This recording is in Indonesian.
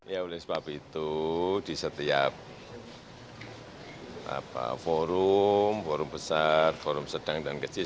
ya oleh sebab itu di setiap forum forum besar forum sedang dan kecil